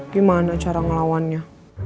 gimana cara ngelawannya